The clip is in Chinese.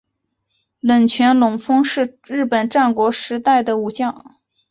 冷泉隆丰是日本战国时代的武将。